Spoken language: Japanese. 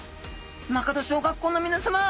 間門小学校のみなさま